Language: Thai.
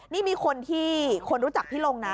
นี่มีคนที่คนรู้จักพี่ลงนะ